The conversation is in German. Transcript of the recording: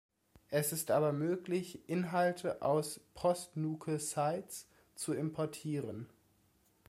Es ist aber möglich Inhalte aus Postnuke-Sites zu importieren.